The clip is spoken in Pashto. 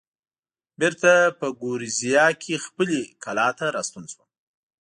بېرته په ګوریزیا کې خپلې کلا ته راستون شوم.